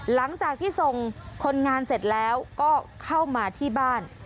หลังจากที่ส่งคนงานเสร็จแล้วก็เข้ามาที่บ้าน